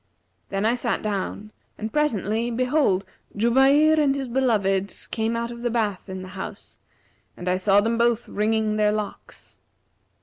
Then I sat down and presently, behold, Jubayr and his beloved came out of the bath in the house, and I saw them both wringing their locks.